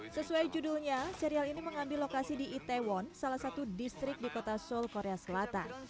sesuai judulnya serial ini mengambil lokasi di itaewon salah satu distrik di kota seoul korea selatan